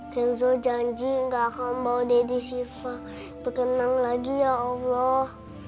kenzo janji gak akan bawa dede siva berkenan lagi ya allah